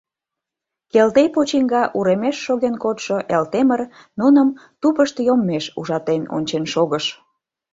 Келтей почиҥга уремеш Шоген кодшо Элтемыр нуным тупышт йоммеш ужатен ончен шогыш.